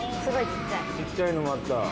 ちっちゃいのもあった。